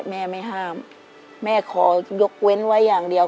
แม่ไม่ห้ามแม่ขอยกเว้นไว้อย่างเดียว